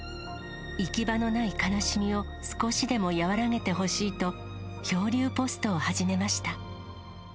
行き場のない悲しみを少しでも和らげてほしいと、漂流ポストを始めました。